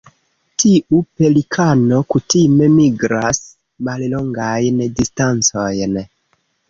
Tiu pelikano kutime migras mallongajn distancojn.